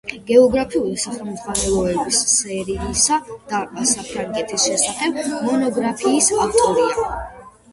გეოგრაფიული სახელმძღვანელოების სერიისა და საფრანგეთის შესახებ მონოგრაფიის ავტორია.